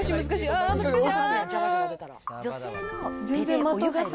あー、難しい！